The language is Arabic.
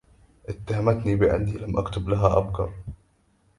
اتهمتني بأني لم أكتب لها أبكر.